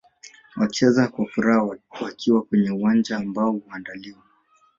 Wakicheza kwa furaha wakiwa kwenye uwanja ambao huandaliwa